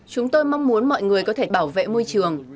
chúng tôi mong muốn mọi người có thể bảo vệ môi trường